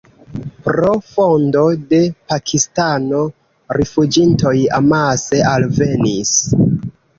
Pro fondo de Pakistano rifuĝintoj amase alvenis.